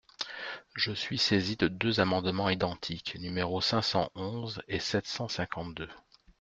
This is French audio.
Je suis saisi de deux amendements identiques, numéros cinq cent onze et sept cent cinquante-deux.